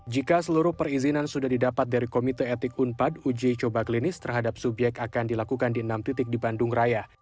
jika seluruh perizinan sudah didapat dari komite etik unpad uji coba klinis terhadap subyek akan dilakukan di enam titik di bandung raya